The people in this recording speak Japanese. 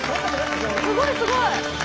すごいすごい！